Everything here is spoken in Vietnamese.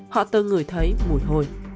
họ từng ngửi thấy mùi hôi